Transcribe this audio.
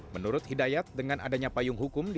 menurut hidayat dengan adanya payung hukum